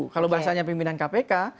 kalau bahasanya pimpinan kpk